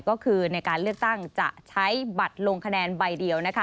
ก็คือในการเลือกตั้งจะใช้บัตรลงคะแนนใบเดียว